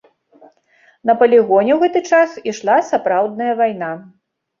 На палігоне ў гэты час ішла сапраўдная вайна.